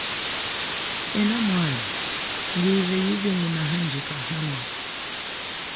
Ena mwana, ngwive yize nguna handjika hano.